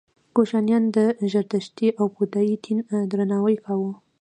کوشانیانو د زردشتي او بودايي دین درناوی کاوه